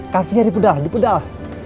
kartunya dipedal dipedal